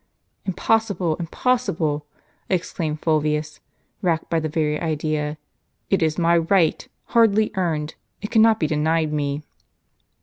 " "Impossible, impossible!" exclaimed Fulvius, racked by the very idea; "it is my right, hardly earned. It cannot be denied me."